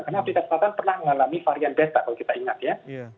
karena afrika selatan pernah mengalami varian beta kalau kita ingat ya